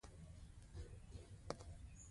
چای د زړه درزا سمه ساتي